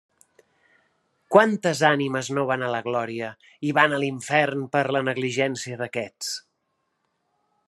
Quantes ànimes no van a la glòria i van a l'infern per la negligència d'aquests!